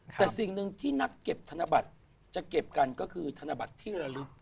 แต่สิ่งหนึ่งที่นักเก็บธนบัตรจะเก็บกันก็คือธนบัตรที่ระลึก